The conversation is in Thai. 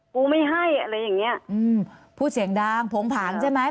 กูไม่ให้อะไรอย่างเงี้ยอืมพูดเสียงดังโผงผางใช่ไหม